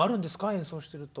演奏してると。